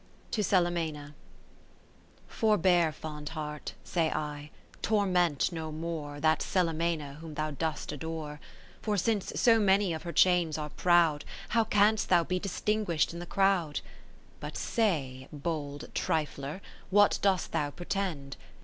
To Celimena Forbear, fond heart (say I), torment no more That Celimena whom thou dost adore \ For since so many of her chains are proud. How canst thou be distinguished in the crowd ? But say, bold Trifler, what dost thou pretend